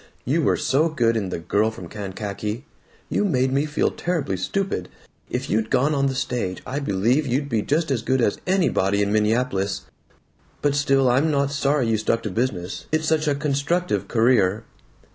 You were so good in 'The Girl from Kankakee.' You made me feel terribly stupid. If you'd gone on the stage, I believe you'd be just as good as anybody in Minneapolis. But still, I'm not sorry you stuck to business. It's such a constructive career."